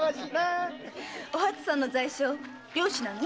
おはつさんの在所漁師なの？